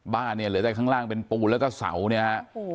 บ้านเนี่ยเหลือแต่ข้างล่างเป็นปูนแล้วก็เสาเนี่ยฮะ